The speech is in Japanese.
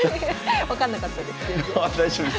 分かんなかったです全然。